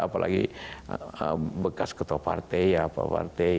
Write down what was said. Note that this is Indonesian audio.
apalagi bekas ketua partai ya pak partai